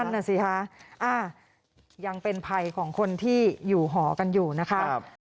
นั่นน่ะสิฮะอ้ายังเป็นภัยของคนที่อยู่หอกันอยู่นะคะครับ